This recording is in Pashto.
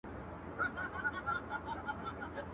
اصل بې بها وي، کم اصل بها وي.